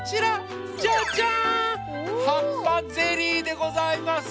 はっぱゼリーでございます！